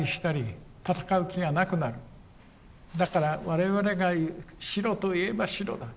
だから我々が白と言えば白だ。